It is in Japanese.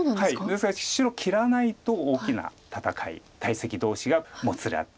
ですから白切らないと大きな戦い大石同士がもつれ合ったりすることになる。